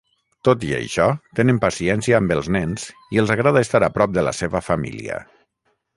Tot i això, tenen paciència amb els nens i els agrada estar a prop de la seva família.